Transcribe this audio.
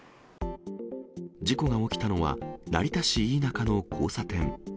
事故が起きたのは、成田市いいなかの交差点。